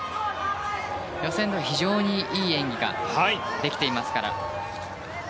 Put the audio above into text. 予選では非常にいい演技ができていますから。